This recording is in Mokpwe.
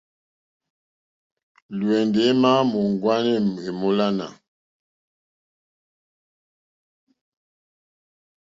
Lwɛ̌ndì émá à mà mòóŋwánê èmólánà.